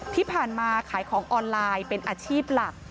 ที่ผ่านมาขายของออนไลน์เป็นอาชีพหลัก